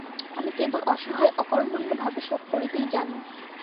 আমি কেবল অসহায় অকর্মণ্য ভাবে শোক করিতেই জানি।